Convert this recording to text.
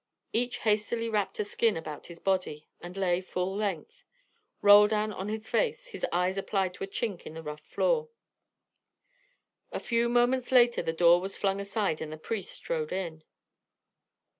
Each hastily wrapped a skin about his body, and lay full length, Roldan on his face, his eyes applied to a chink in the rough floor. A few moments later the door was flung aside and the priest strode in.